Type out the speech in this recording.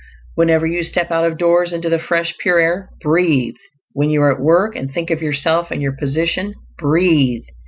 Whenever you step out of doors into the fresh, pure air, BREATHE. When you are at work, and think of yourself and your position, BREATHE.